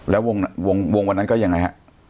แล้ววงวันนั้นก็ยังไงฮะ